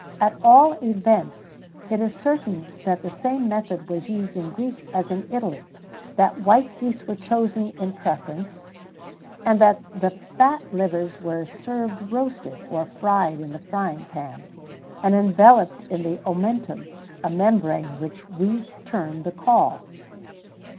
[XVII 69] At all events, it is certain that the same method was used in Greece as in Italy; that white geese were chosen in preference,[XVII 70] and that the fat livers were served roasted, or fried in the frying pan, and enveloped in the omentum, a membrane which we term the caul.